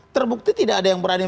terbukti tidak ada yang berani